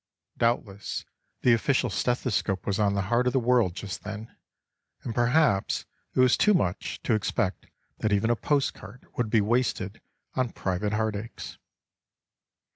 Doubtless the official stethoscope was on the heart of the world just then; and perhaps it was too much to expect that even a post card would be wasted on private heart aches.